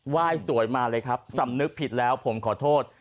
ยสวยมาเลยครับสำนึกผิดแล้วผมขอโทษ